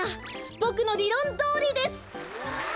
ボクのりろんどおりです！